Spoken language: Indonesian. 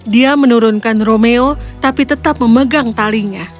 dia menurunkan romeo tapi tetap memegang talinya